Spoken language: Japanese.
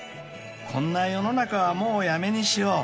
［「こんな世の中はもうやめにしよう」］